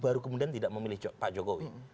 baru kemudian tidak memilih pak jokowi